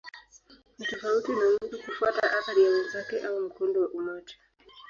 Ni tofauti na mtu kufuata athari ya wenzake au mkondo wa umati.